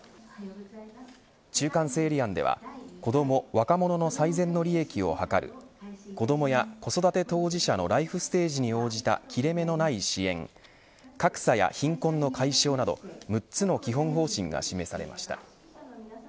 中間整理案では子ども・若者の最善の利益を図る子どもや子育て当事者のライフステージに応じた切れ目のない支援格差や貧困の解消など６つの基本方針が示されました。